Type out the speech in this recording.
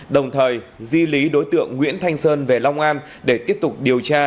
đồng thời di lý đối tượng nguyễn thanh sơn về long an để tiếp tục điều tra